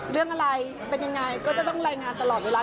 เรื่องอะไรเป็นยังไงก็จะต้องรายงานตลอดเวลา